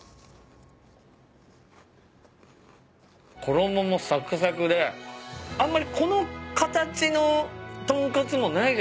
衣もさくさくであんまりこの形の豚カツもないじゃないですか。